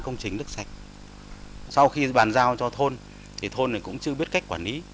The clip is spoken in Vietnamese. công trình nước sạch sau khi bàn giao cho thôn thì thôn này cũng chưa biết cách quản lý